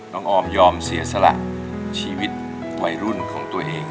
ออมยอมเสียสละชีวิตวัยรุ่นของตัวเอง